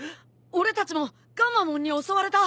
俺たちもガンマモンに襲われた。